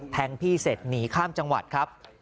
พี่เสร็จหนีข้ามจังหวัดครับ